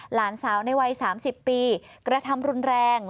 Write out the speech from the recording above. หลานสาวในวัย๓๐ปีกระทำรุนแรง